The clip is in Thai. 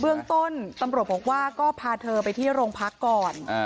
เบื้องต้นตำรวจบอกว่าก็พาเธอไปที่โรงพักก่อน